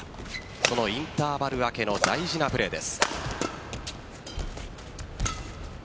そのインターバル明けの大事なプレーです。